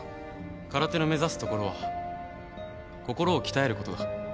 空手の目指すところは心を鍛えることだ。